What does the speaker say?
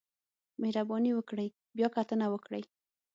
مهرباني وکړئ بیاکتنه وکړئ